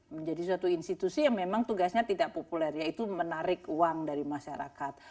menjadi suatu institusi yang memang tugasnya tidak populer yaitu menarik uang dari masyarakat